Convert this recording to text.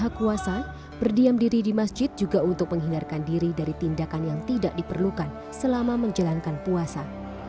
maha kuasa berdiam diri di masjid juga untuk menghindarkan diri dari tindakan yang tidak diperlukan selama menjalankan puasa